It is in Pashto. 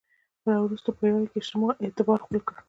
په راوروسته پېړیو کې اجماع اعتبار خپل کړ